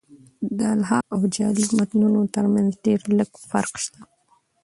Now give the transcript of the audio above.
د الحاق او جعلي متونو ترمتځ ډېر لږ فرق سته.